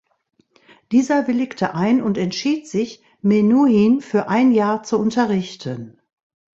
Dieser willigte ein und entschied sich, Menuhin für ein Jahr zu unterrichten.